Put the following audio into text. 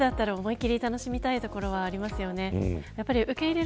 せっかくだったら、思いっきり楽しみたいところありますよね。